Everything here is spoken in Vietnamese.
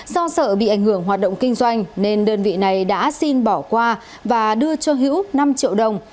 do sợ bị ảnh hưởng hoạt động kinh doanh nên đơn vị này đã xin bỏ qua và đưa cho hữu năm triệu đồng